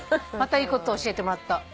またいいこと教えてもらった。